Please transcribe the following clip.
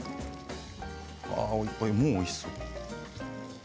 もうおいしそう。